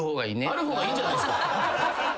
ある方がいいんじゃないですか。